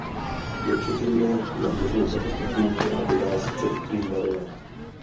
Nečekejme na novou katastrofu, která by nás před tím varovala.